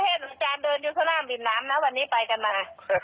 ก็เห็นอาจารย์เดินอยู่ข้างหน้ามดินน้ำนะวันนี้ไปกันมา